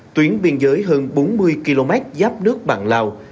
tuyến biên giới hơn bốn mươi km giáp nước bạn lào